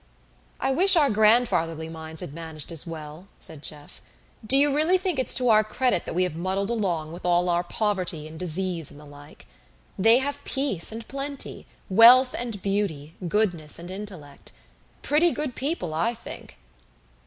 "I wish our grandfatherly minds had managed as well," said Jeff. "Do you really think it's to our credit that we have muddled along with all our poverty and disease and the like? They have peace and plenty, wealth and beauty, goodness and intellect. Pretty good people, I think!"